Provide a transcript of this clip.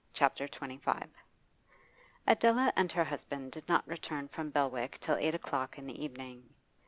CHAPTER XXV Adela and her husband did not return from Belwick till eight o'clock in the evening.